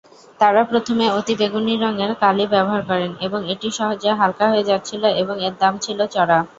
তারা প্রথমে অতিবেগুনী রঙের কালি ব্যবহার করেন কিন্তু এটি সহজে হালকা হয়ে যাচ্ছিল এবং এর দাম ছিল চড়া।